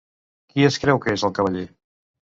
Qui es creu que és el cavaller?